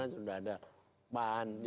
yang semuanya bisa dimasuki oleh pak sby